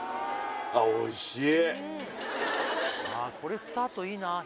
あっおいしい！